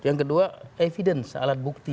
yang kedua evidence alat bukti